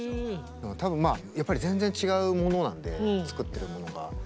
多分まあやっぱり全然違うものなので作ってるものが。